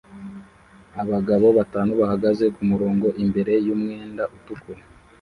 Abagabo batanu bahagaze kumurongo imbere yumwenda utukura